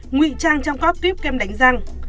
nguy trang trong các tuyếp kem đánh răng